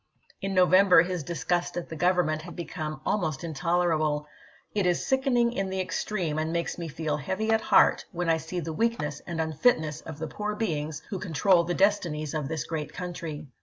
In No ibid.,p. leo. vember his disgust at the Government had become almost intolerable :" It is sickening in the extreme, and makes me feel heavy at heart, when I see the weakness and unfitness of the poor beings who control the destinies of this great country."